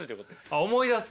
あ思い出す。